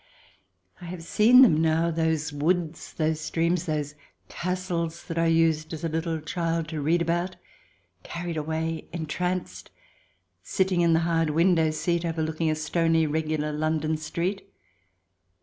I have seen them now, those woods, those streams, those castles that I used, as a little child, to read about — carried away, entranced — sitting in the hard window seat, overlooking a stony, regular London street.